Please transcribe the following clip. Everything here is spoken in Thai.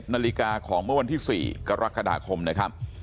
นาฬิกาของเมื่อวันที่๔กรกฎาคมนะครับ